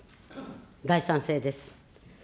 大賛成です。